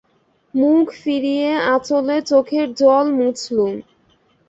মুখ ফিরিয়ে আঁচলে চোখের জল মুছলুম।